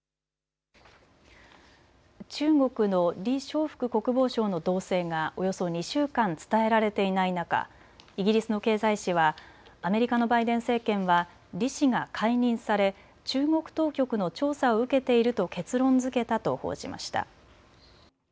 中国の李尚福国防相の動静がおよそ２週間伝えられていない中、イギリスの経済紙はアメリカのバイデン政権は李氏が解任され中国当局の調査を受けていると結論づけたと報じました。